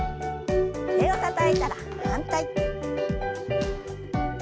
手をたたいたら反対。